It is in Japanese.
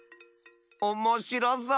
おもしろそう！